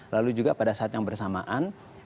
lalu juga pada saat yang bersamaan